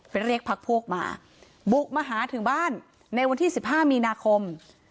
เรียกพักพวกมาบุกมาหาถึงบ้านในวันที่๑๕มีนาคม